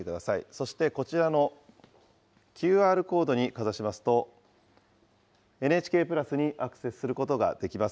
そしてこちらのＱＲコードにかざしますと、ＮＨＫプラスにアクセスすることができます。